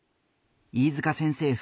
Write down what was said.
飯塚先生